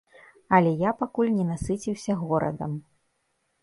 Але я пакуль не насыціўся горадам.